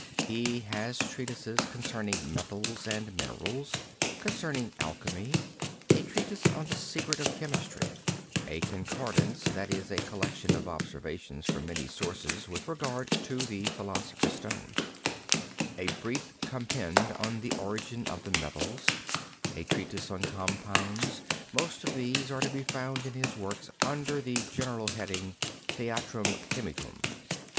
He has treatises concerning Metals and Minerals; concerning Alchemy; A Treatise on the Secret of Chemistry; A Concordance, that is a Collection of observations from many sources with regard to the Philosopher's Stone; A Brief Compend on the Origin of the Metals; A Treatise on Compounds; most of these are to be found in his works under the general heading "Theatrum Chemicum."